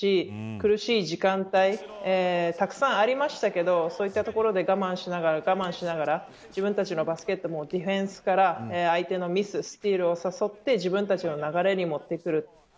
苦しい時間帯たくさんありましたけどそういったところで我慢しながら自分たちのバスケットをディフェンスから、相手のミススチールを誘って自分たちの流れに持ってくる。